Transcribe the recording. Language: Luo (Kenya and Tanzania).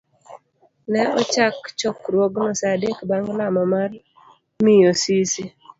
Ne ochak chokruogno sa adek bang' lamo mar miyo Sisi.